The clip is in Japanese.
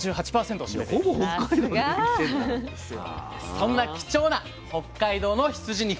そんな貴重な北海道の羊肉。